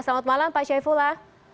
selamat malam pak syaifullah